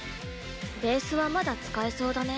ベースはまだ使えそうだね。